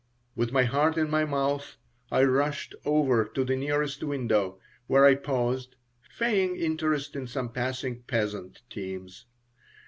With my heart in my mouth, I rushed over to the nearest window, where I paused, feigning interest in some passing peasant teams.